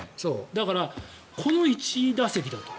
だから、この１打席だと。